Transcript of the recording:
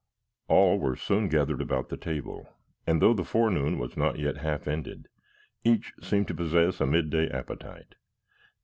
All were soon gathered about the table, and though the forenoon was not yet half ended, each seemed to possess a midday appetite.